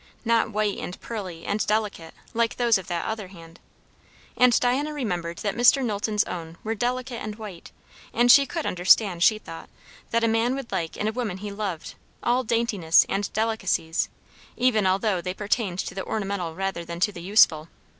Not white and pearly and delicate like those of that other hand. And Diana remembered that Mr. Knowlton's own were delicate and white; and she could understand, she thought, that a man would like in a woman he loved, all daintinesses and delicacies, even although they pertained to the ornamental rather than to the useful.